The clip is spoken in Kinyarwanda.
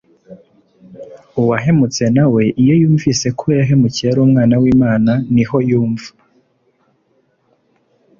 uwahemutse na we iyo yumvise ko uwo yahemukiye ari umwana w'imana, niho yumva